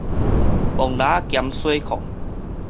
摸蜊仔兼洗褲